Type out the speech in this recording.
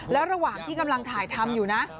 แล้วระหว่างที่กำลังถ่ายทำอยู่นะ